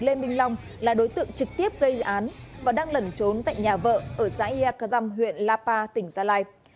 lê minh long là đối tượng trực tiếp gây án và đang lẩn trốn tại nhà vợ ở xã yakazam huyện lapa tỉnh gia lai